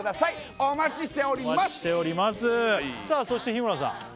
そして日村さん